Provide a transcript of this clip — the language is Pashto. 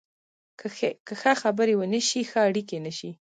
که ښه خبرې ونه شي، ښه اړیکې نشي